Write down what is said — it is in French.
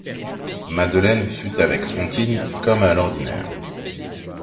Madeleine fut avec Fantine comme à l'ordinaire.